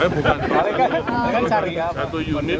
bukan satu unit kan pasti nggak nyambung